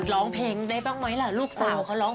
ร้องเพลงได้บ้างไหมล่ะลูกสาวเขาร้อง